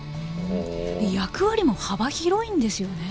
役割も幅広いんですよね？